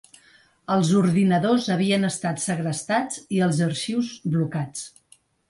Els ordinadors havien estat segrestats i els arxius, blocats.